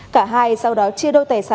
cả hai sau đó chia đôi tài sản